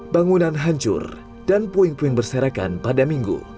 bangunan hancur dan puing puing berserakan pada minggu